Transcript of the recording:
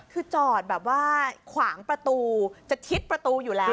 คือจอดแบบว่าขวางประตูจะทิศประตูอยู่แล้ว